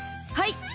はい。